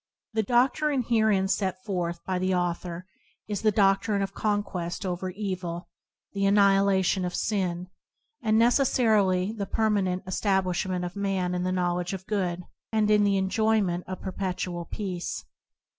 The do&rine herein set forth by the author is the do&rine of conquest over [ 54 ] TBoDp ano Circumstance evil; the annihilation of sin; and necessarily the permanent establishment of man in the knowledge of good, and in the enjoyment of perpetual peace.